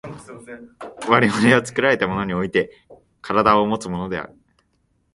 我々は作られたものにおいて身体をもつのである。